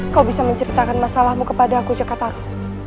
kau bisa menceritakan masalahmu kepada aku cekat tarno